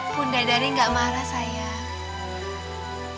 bunda dari gak marah saya